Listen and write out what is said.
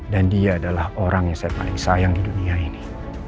dan dia adalah orang yang saya paling sayang di dunia ini